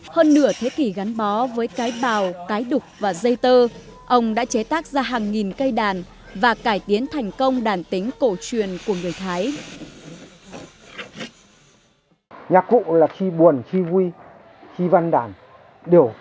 hơn nửa thế kỷ gắn với đàn tính tẩu người ta không thể bỏ qua được tên tuổi của nghệ nhân mào ết